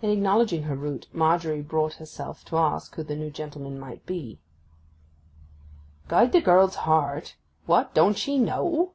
In acknowledging her route Margery brought herself to ask who the new gentleman might be. 'Guide the girl's heart! What! don't she know?